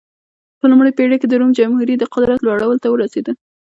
په لومړۍ پېړۍ کې د روم جمهوري د قدرت لوړو ته ورسېده.